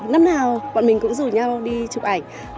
năm nào bọn mình cũng rủ nhau đi chụp ảnh